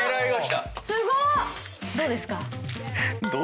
どうですか？